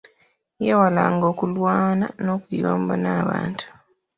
Yeewalanga okulwana n'okuyomba n'abantu.